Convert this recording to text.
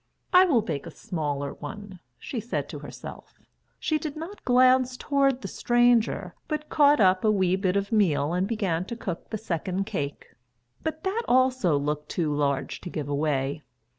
"I will bake a smaller one," she said to herself. She did not glance toward the stranger, but caught up a wee bit of meal and began to cook the second cake. But that also looked too large to give away.